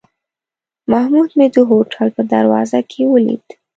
محمود مې د هوټل په دروازه کې ولید.